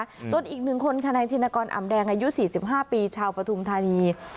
ขอโทษอีกหนึ่งคนคณะที่นากรอำแดงอายุ๔๕ปีชาวปฐุมธานี